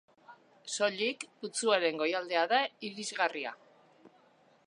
Soilik putzuaren goialdea da irisgarria.